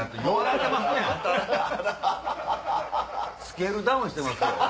スケールダウンしてますよ。